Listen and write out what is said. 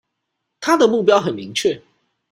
他的目標很明確